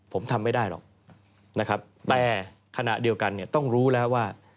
ผมทำไม่ได้หรอกแต่ขณะเดียวกันต้องรู้แล้วว่า